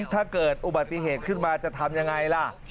ถ้าเกิดอุบัติเหตุขึ้นมาจะทำยังไงล่ะ